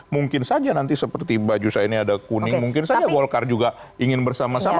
mungkin saja nanti seperti mbak juza ini ada kuning mungkin saja golkar juga ingin bersama sama